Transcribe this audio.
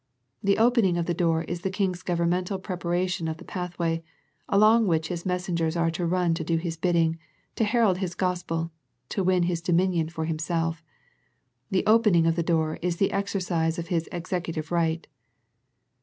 The opening of the door is the King's governmental preparation of the pathway, along which His messengers are to run to do His biddings, to herald His Gospel, to win His dominion for Himself. The opening of the door is the exercise of His ex ecutive right.